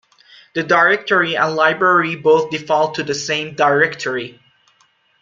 The directory and library both default to the same directory.